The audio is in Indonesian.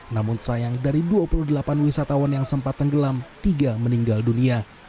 namun sayang dari dua puluh delapan wisatawan yang sempat tenggelam tiga meninggal dunia